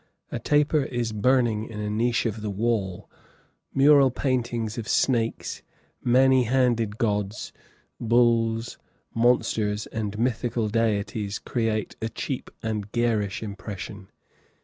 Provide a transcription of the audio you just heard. A taper is burning in a niche of the wall; mural paintings of snakes, many handed gods, bulls, monsters, and mythical deities create a cheap and garish impression.